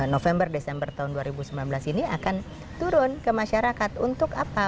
november desember tahun dua ribu sembilan belas ini akan turun ke masyarakat untuk apa